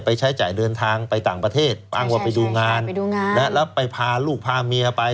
ใช้จ่ายเดินทางไปต่างประเทศอ้างว่าไปดูงานไปดูงานแล้วไปพาลูกพาเมียไป